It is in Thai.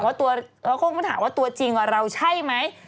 เขาก็ถามว่าตัวจริงกว่าเราใช่ไหม